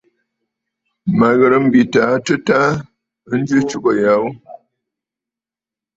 Mə ghɨ̀rə̀ m̀bwitə aa tɨta njɨ atsugə ya ghu.